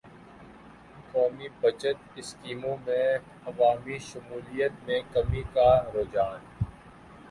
قومی بچت اسکیموں میں عوامی شمولیت میں کمی کا رحجان